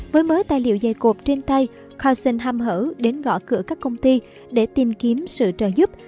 với mới tài liệu dày cột trên tay conton ham hở đến gõ cửa các công ty để tìm kiếm sự trợ giúp